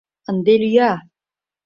— Ынде лӱя!